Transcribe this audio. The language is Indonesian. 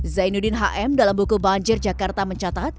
zainuddin hm dalam buku banjir jakarta mencatat